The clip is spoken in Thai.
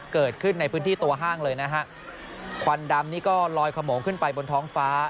เกิดขึ้นในพื้นที่ตัวห้างเลยนะฮะควันดำนี่ก็ลอยขโมงขึ้นไปบนท้องฟ้า